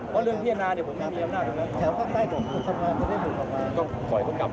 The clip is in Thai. มือพรุ่งนี้นานเห็นไหมครับ